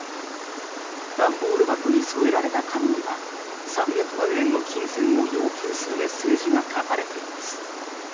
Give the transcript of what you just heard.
段ボール箱に添えられた紙には３００万円の金銭を要求するメッセージが書かれています。